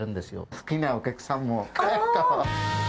好きなお客さんも結構。